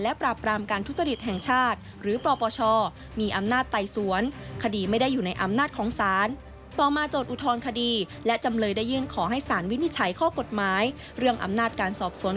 และปราบปรามการทุจดิตแห่งชาติ